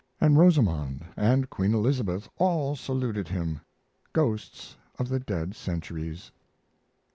and Rosamond and Queen Elizabeth all saluted him ghosts of the dead centuries.